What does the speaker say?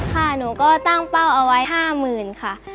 ค่ะหนูก็ตั้งเป้าเอาไว้๕๐๐๐ค่ะ